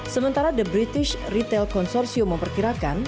sementara the british retail consortium memperkirakan